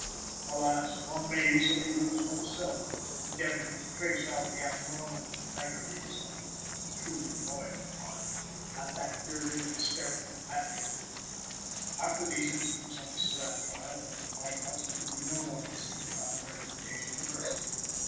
Alas! one may easily lose one's self in endeavoring to trace out the abnormal vagaries of the "truly loyal" mind, at that period of hysterical patriotism. After these incidents on the Surratt trial, and at the White House, there could be no more mystery about the recommendation to mercy.